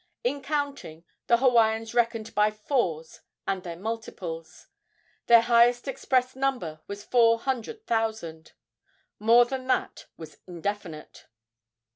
In counting, the Hawaiians reckoned by fours and their multiples. Their highest expressed number was four hundred thousand. More than that was indefinite.